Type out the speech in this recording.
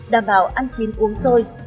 đảm bảo ăn chín uống sôi